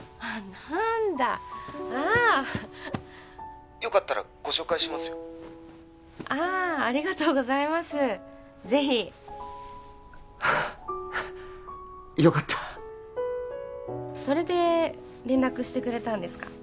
なんだああ☎よかったらご紹介しますよああありがとうございますぜひはあっよかったそれで連絡してくれたんですか？